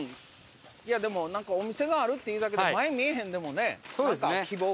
いやでもなんかお店があるっていうだけで前見えへんでもねなんか希望が湧く。